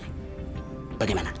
kalau kamu mau bekerja sama dengan kami